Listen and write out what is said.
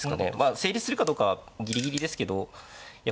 成立するかどうかはギリギリですけどいや